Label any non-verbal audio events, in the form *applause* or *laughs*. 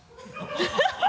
ハハハ *laughs*